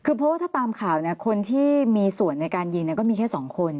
คือเพราะว่าถ้าตามข่าวคนที่มีส่วนในการยิงก็มีแค่๒คน